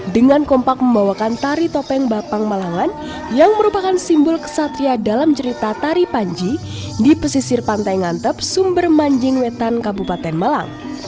dengan kompak membawakan tari topeng bapang malangan yang merupakan simbol kesatria dalam cerita tari panji di pesisir pantai ngantep sumber manjing wetan kabupaten malang